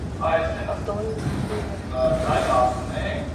Հաղթողներին որոշում է հեռուստադիտողը։